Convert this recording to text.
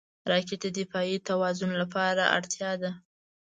راکټ د دفاعي توازن لپاره اړتیا ده